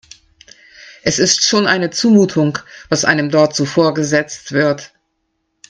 Es ist schon eine Zumutung, was einem dort so vorgesetzt wird.